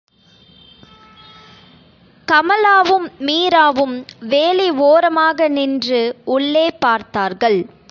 கமலாவும் மீராவும் வேலி ஒரமாக நின்று உள்ளே பார்த்தார்கள்.